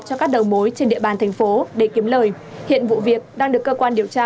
cho các đầu mối trên địa bàn thành phố để kiếm lời hiện vụ việc đang được cơ quan điều tra